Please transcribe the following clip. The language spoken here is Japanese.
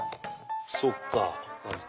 そっか。